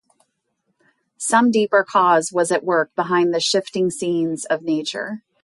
Some deeper cause was at work behind the shifting scenes of nature.